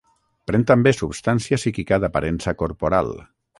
Pren també substància psíquica d'aparença corporal.